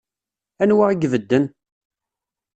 Anwa i ibedden?